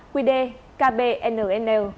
quy đề kbnn